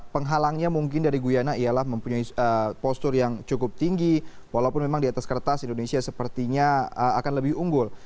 penghalangnya mungkin dari guyana ialah mempunyai postur yang cukup tinggi walaupun memang di atas kertas indonesia sepertinya akan lebih unggul